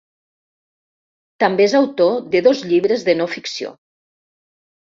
També és autor de dos llibres de no ficció.